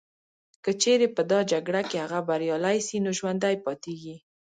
که چیري په دا جګړه کي هغه بریالي سي نو ژوندي پاتیږي